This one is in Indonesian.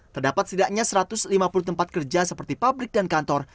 terdapat setidaknya satu ratus lima puluh tempat kerja seperti pabrik dan kantor